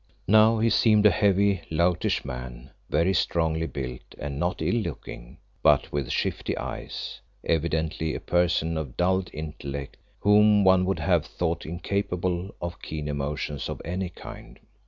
Now he seemed a heavy, loutish man, very strongly built and not ill looking, but with shifty eyes, evidently a person of dulled intellect, whom one would have thought incapable of keen emotions of any kind.